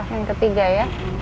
yang ketiga ya